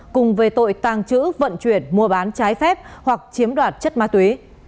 cùng về tội tàng trữ vận chuyển mua bán trái phép hoặc chiếm đoạt chất ma túy